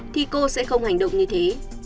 thì cô sẽ không hành động như thế